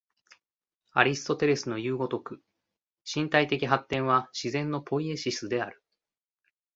アリストテレスのいう如く、身体的発展は自然のポイエシスである。